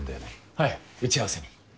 はい打ち合わせに。